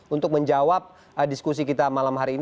untuk menjawab diskusi kita malam hari ini